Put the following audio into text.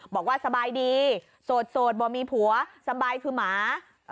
บอกว่าสบายดีโสดบ่มีผัวสบายคือหมา